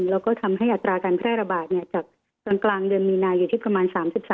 แล้วก็ทำให้อัตราการแพร่ระบาดจากกลางเดือนมีนาอยู่ที่ประมาณ๓๓